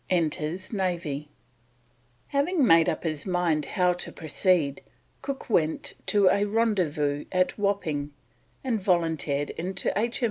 ENTERS NAVY. Having made up his mind how to proceed, Cook went to a rendezvous at Wapping and volunteered into H.